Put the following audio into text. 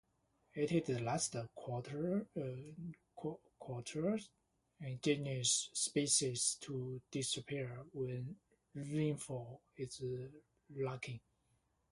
It is the last "Quercus" genus species to disappear when rainfall is lacking.